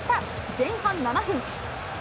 前半７分。